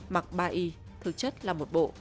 mặc ba y thực chất là một bộ